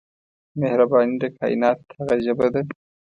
مهرباني د کائنات هغه ژبه ده.